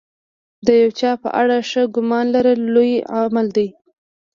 د یو چا په اړه ښه ګمان لرل لوی عمل دی.